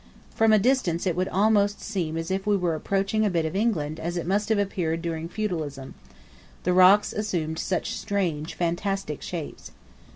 From a distance it would almost seem as if we were approaching a bit of England as it must have appeared during feudalism; the rocks assumed such strange fantastic shapes.